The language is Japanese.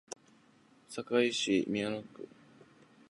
堺市美原区